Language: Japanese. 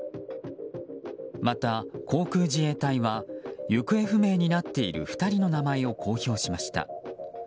また、航空自衛隊は行方不明になっている２人の名前を公表しました。